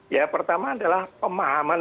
ya pertama adalah pemahaman